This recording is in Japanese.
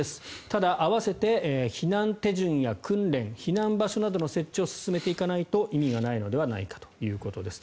ただ、合わせて避難手順や訓練避難場所などの設置を進めていかないと意味がないのではないかということです。